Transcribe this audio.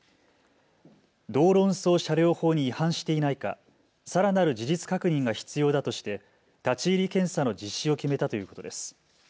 道路運送車両法に違反していないか、さらなる事実確認が必要だとして立ち入り検査の実施を決めたということです。